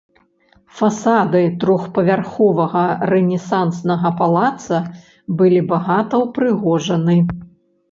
Фасады трохпавярховага рэнесанснага палаца былі багаты ўпрыгожаны.